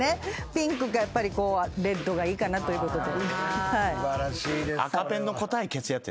ピンクかレッドがいいかなということで。